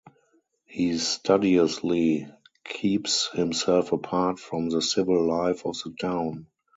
He studiously keeps himself apart from the civil life of the town.